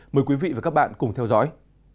mời quý vị và các bạn cùng theo dõi